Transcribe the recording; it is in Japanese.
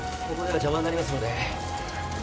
ここでは邪魔になりますので。